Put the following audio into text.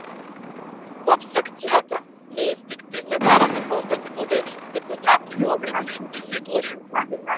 Во апстракцијата, ние инстинктивно бараме познати модели, препознатливи облици и фигури.